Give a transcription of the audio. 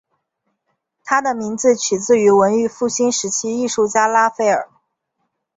他的名字取自于文艺复兴时期艺术家拉斐尔。